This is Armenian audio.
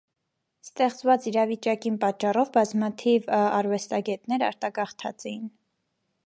Ստեղծուած իրավիճակին պատճառով՝ բազմաթիւ արուեստագէտներ արտագաղթած էին։